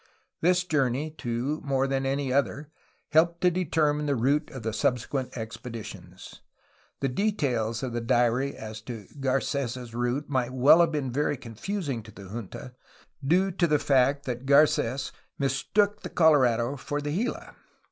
This journey, too, more than any other, helped to determine the route of the subsequent expedition. The details of the diary as to Garc^s' route might well have been very confusing to the junta, due to the fact that Carets mistook the Colorado for the Gila.